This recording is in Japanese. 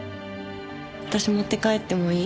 私持って帰ってもいい？